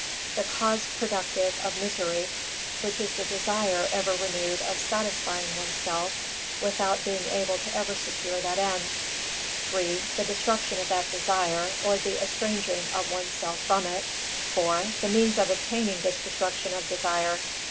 The cause productive of misery, which is the desire ever renewed of satisfying oneself without being able ever to secure that end; 3. The destruction of that desire, or the estranging of oneself from it; 4. The means of obtaining this destruction of desire.